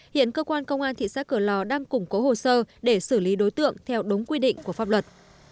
hiện cơ quan công an thị xã cửa lò đang củng cố hồ sơ để xử lý đối tượng theo đúng quy định của pháp luật